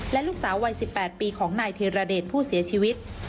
และลูกสาววัย๑๘ปีของนายธิรเดชผู้เสียชีวิต